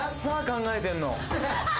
考えてんの。